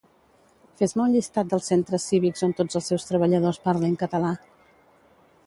Fes-me un llistat dels Centres Cívics on tots els seus treballadors parlin català